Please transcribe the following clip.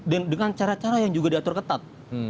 dan dengan cara cara yang juga diatur ketat